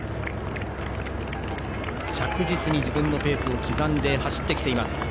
着実に自分のペースを刻んで走っています。